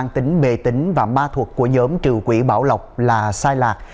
những mê tính và ma thuật của nhóm trừ quỷ bỏ lộc là sai lạc